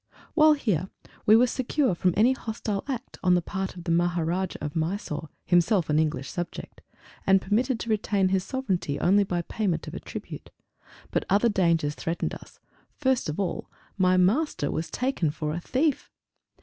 While here we were secure from any hostile act on the part of the Maharajah of Mysore, himself an English subject, and permitted to retain his sovereignty only by payment of a tribute; but other dangers threatened us; first of all, _my Master was taken for a thief!